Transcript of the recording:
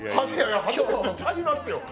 初めてちゃいますよ。